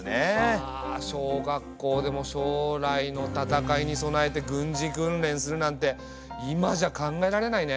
小学校でも将来の戦いに備えて軍事訓練するなんて今じゃ考えられないね。